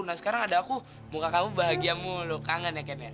nah sekarang ada aku muka kamu bahagia mulu kangen ya ken ya